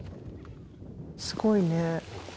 すごいね。